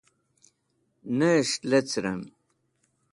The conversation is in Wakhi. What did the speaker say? Nes̃h lecrẽm.